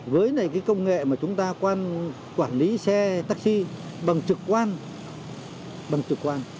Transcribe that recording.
với cái công nghệ mà chúng ta quản lý xe taxi bằng trực quan